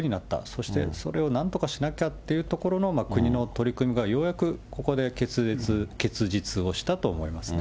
そしてそれをなんとかしなきゃっていうところの国の取り組みがようやくここで結実をしたと思いますね。